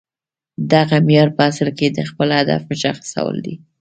دغه معیار په اصل کې د خپل هدف مشخصول دي